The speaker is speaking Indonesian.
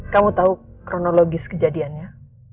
kamu tahu kronologis kejadiannya